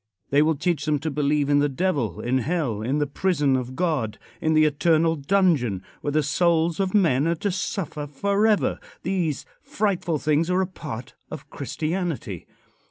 They will teach them to believe in the Devil; in hell; in the prison of God; in the eternal dungeon, where the souls of men are to suffer forever. These frightful things are a part of Christianity.